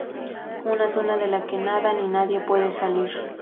Una zona de la que nada ni nadie puede salir.